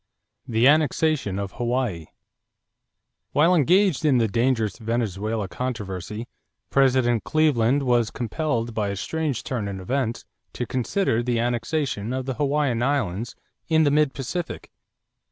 =The Annexation of Hawaii.= While engaged in the dangerous Venezuela controversy, President Cleveland was compelled by a strange turn in events to consider the annexation of the Hawaiian Islands in the mid Pacific.